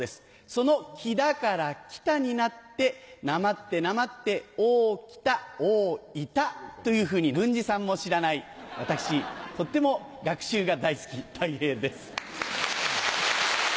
その「きだ」から「きた」になってなまってなまって「おおきた」「おおいた」というふうに文治さんも知らない私とても学習が大好きたい平です。